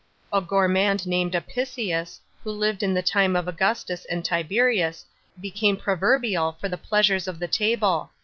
A gourmand named Aplcius, who lived in the time of Augustus and Tiberius, became proverbial f r the pleasures of the table.